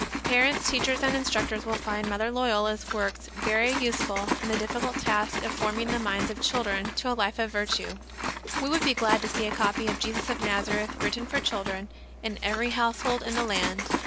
Parents, teachers and instructors will find Mother Loyola's works very useful in the difficult task of form ing the minds of children to a life of virtue. We would be glad to see a copy of " Jesus of Nazareth, Written for Children," in every household in the land.